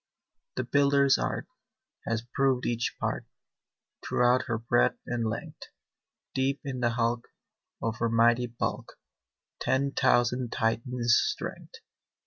"The builder's art Has proved each part Throughout her breadth and length; Deep in the hulk, Of her mighty bulk, Ten thousand Titans' strength."